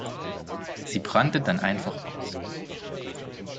Sie brannte dann einfach aus.